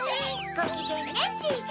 ごきげんねチーズ。